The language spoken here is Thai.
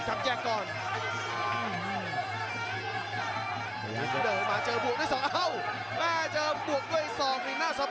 ประโยชน์ทอตอร์จานแสนชัยกับยานิลลาลีนี่ครับ